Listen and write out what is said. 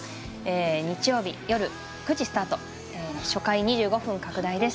日曜日よる９時スタート初回２５分拡大です